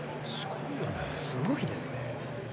すごいですね。